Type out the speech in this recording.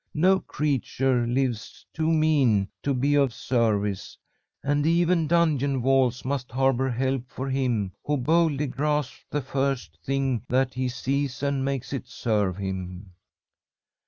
No creature lives too mean to be of service, and even dungeon walls must harbour help for him who boldly grasps the first thing that he sees and makes it serve him.'